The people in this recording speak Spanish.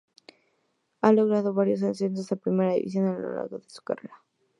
Ha logrado varios ascensos a Primera División a lo largo de su carrera.